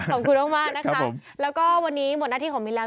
ขอบคุณมากมากนะคะแล้วก็วันนี้หมดหน้าที่ของมิ้นแล้ว